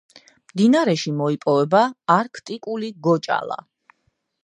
მდინარეში მოიპოვება არქტიკული გოჭალა.